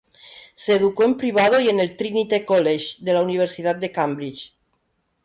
Se educó en privado y en el Trinity College de la Universidad de Cambridge.